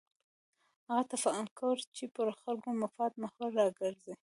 هغه تفکر چې پر خلکو مفاد محور راګرځي.